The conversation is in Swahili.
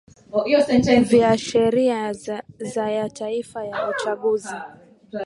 vya sheria za ya taifa ya uchaguzi